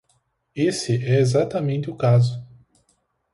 Esse é exatamente o caso.